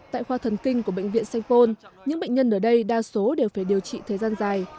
tại khoa thần kinh của bệnh viện sanh pôn những bệnh nhân ở đây đa số đều phải điều trị thời gian dài